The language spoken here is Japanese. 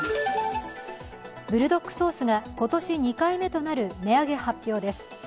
ブルドックソースが今年２回目となる値上げ発表です。